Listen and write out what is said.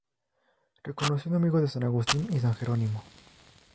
Reconocido amigo de san Agustín y san Jerónimo.